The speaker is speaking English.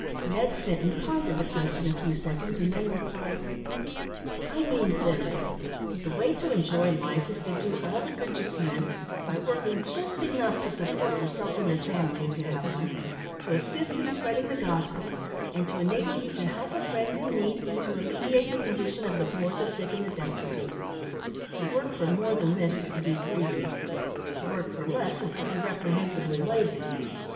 Ned Sinton pondered the question a few seconds, and then replied "I mean this: the way to enjoy life is to do all the good you can, by working just enough to support yourself and your family, if you have one; to assist in spreading the gospel, and to enable you to help a friend in need; and to alleviate the condition of the poor, the sick, and the destitute. To work for more than this is to be greedy; to work for less is to be reprehensibly lazy.